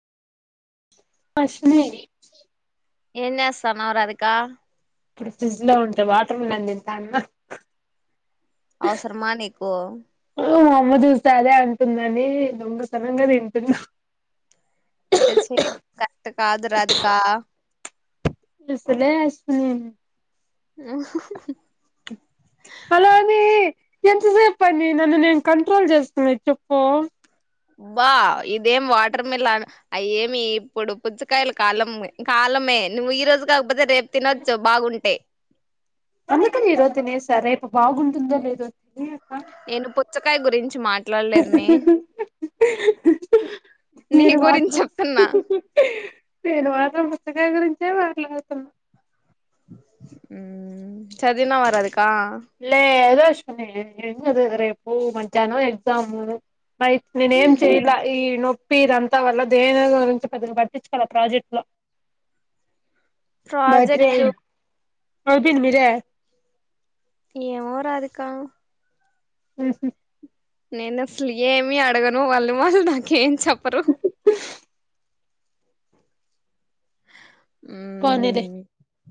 వస్తుని ఏం చేస్తన్నావ్ రాధిక ఇప్పుడు ఫ్రిడ్జ్ లో ఉంటే వాటర్ మిలన్ తింటాన్న అవసరమా నీకు మా అమ్మ చూస్తే అదే అంటుందని దొంగతనంగా తింటున్నా ఇట్లా చే కరెక్ట్ కాదు రాధికా ఇస్తనే ఇస్తా నేను ఆ హలో అని ఎంతసేపు అండి నన్ను నేను కంట్రోల్ చేస్తున్నా చెప్పు బా ఇదేం వాటర్ మిలన్ అయే ఏమి ఇప్పుడు పుచ్చకాయలు కాలం కాలం నువ్వు ఈ రోజు కాకపోతే రేపు తినొచ్చు బాగుంటే అందుకని ఈరోజు తినేసా రేపు బాగుంటుందో లేదో తెలియక నేను పుచ్చకాయ గురించి మాట్లాడలేదు మీ మీరు గురించి మాత్రం చెప్తున్నా నేను మాత్రం పుచ్చకాయ గురించే మాట్లాడుతూ చదివినావ రాధిక లేదు అశ్విని ఏం చదివిది రేపు మధ్యాహ్నం ఎగ్జామ్ నేనేం చేయిలా ఈ నో ప్పి ఇదంతా వల్ల దేని గురించి పెద్దగా పట్టించుకోవాలే ప్రాజెక్ట్లో ప్రాజెక్ట్ ఒల్ పిర్ మీరే ఏమో రాదిక మ్ హు నేనసలు ఏమి అడగను వాళ్ళ వాళ్ళు నాకేం చెప్పరు. పోనీలే మ్మ్